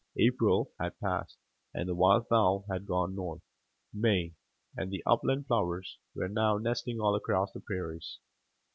April had passed, and the wild fowl had gone north. May, and the upland plovers now were nesting all across the prairies.